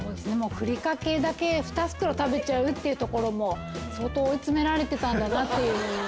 ふりかけだけ２袋食べちゃうっていうところも相当追い詰められてたんだなっていう。